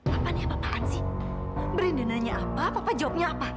apa nih apa apaan sih berindahannya apa apa jawabannya apa